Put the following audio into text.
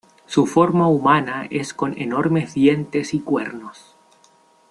Su forma humana es con enormes dientes y cuernos.